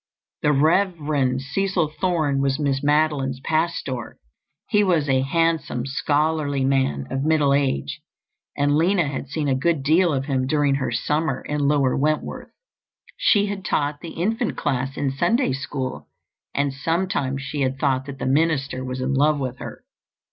The Rev. Cecil Thorne was Miss Madeline's pastor. He was a handsome, scholarly man of middle age, and Lina had seen a good deal of him during her summer in Lower Wentworth. She had taught the infant class in Sunday School and sometimes she had thought that the minister was in love with her.